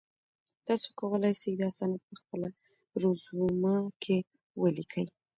تاسو کولای سئ دا سند په خپله رزومه کي ولیکئ.